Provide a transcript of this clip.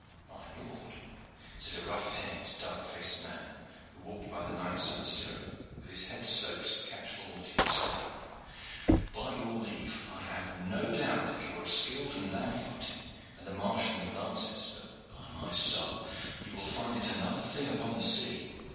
"My lord," said a rough haired, dark faced man, who walked by the knight's other stirrup, with his head sloped to catch all that he was saying. "By your leave, I have no doubt that you are skilled in land fighting and the marshalling of lances, but, by my soul! you will find it another thing upon the sea.